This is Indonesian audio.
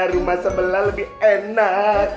rumah sebelah lebih enak